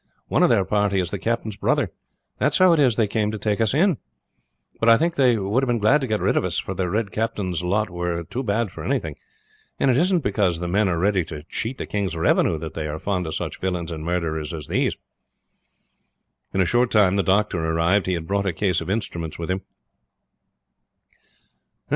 One of their party is the captain's brother. That's how it is they came to take us in. But I think they would have been glad to get rid of us, for the Red Captain's lot were too bad for anything; and it isn't because men are ready to cheat the king's revenue that they are fond of such villains and murderers as these." In a short time the doctor arrived. He had brought a case of instruments with him.